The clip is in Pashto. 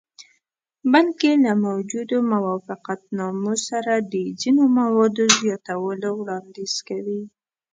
بلکې له موجودو موافقتنامو سره د ځینو موادو زیاتولو وړاندیز کوي.